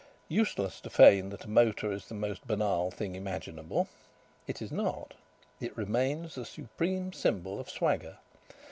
Useless to feign that a motor is the most banal thing imaginable. It is not. It remains the supreme symbol of swagger.